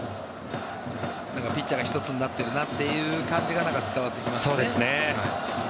ピッチャーが一つになってるなという感じが伝わってきますね。